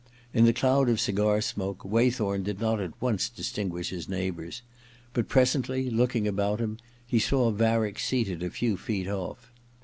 In the cloud or cigar smoke Waythorn did not at once distinguish his neighbours ; but presently, looking about him, he saw Varick seated a few feet off.